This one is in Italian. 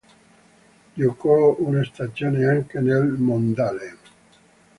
Giocò una stagione anche nel Mjøndalen.